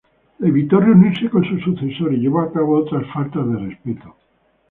Él evitó reunirse con su sucesor, y llevó a cabo otras faltas de respeto.